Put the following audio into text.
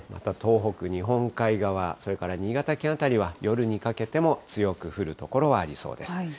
東北、日本海側、それから新潟県辺りは、夜にかけても強く降る所はありそうです。